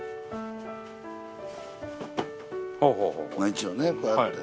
一応ねこうやって。